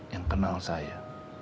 yang kenal saya